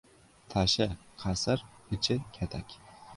• Tashi ― qasr, ichi ― katak.